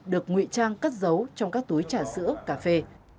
được ngụy trang cất giấu trong các túi trà sữa cà phê